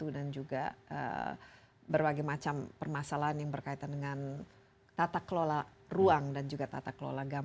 dan juga berbagai macam permasalahan yang berkaitan dengan tata kelola ruang dan juga tata kelola kesehatan